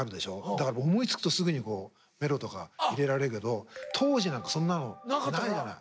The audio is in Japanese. だから僕思いつくとすぐにメロとか入れられるけど当時なんかそんなのないじゃない。